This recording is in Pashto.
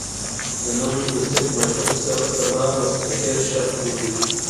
د نن لوستونکی ماشوم څخه سبا متفکر شخص جوړېږي.